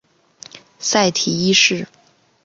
塞提一世。